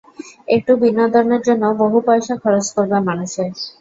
একটু বিনোদনের জন্য বহু পয়সা খরচ করবে মানুষে।